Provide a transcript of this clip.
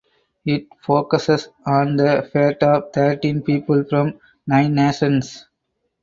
It focuses on the fate of thirteen people from nine nations.